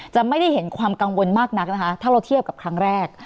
จะไม่ได้เห็นความกังวลมากนักนะคะถ้าเราเทียบกับครั้งแรก